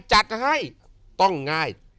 จัดให้ต้องง่าย